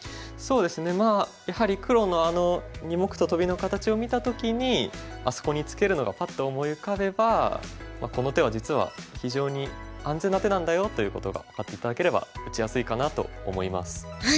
そうですねやはり黒のあの２目とトビの形を見た時にあそこにツケるのがパッと思い浮かべばこの手は実は非常に安全な手なんだよということが分かって頂ければ打ちやすいかなと思います。